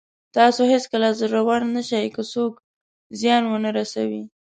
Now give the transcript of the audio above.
تاسو هېڅکله زړور نه شئ که څوک زیان ونه رسوي.